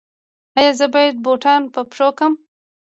ایا زه باید بوټان په پښو کړم؟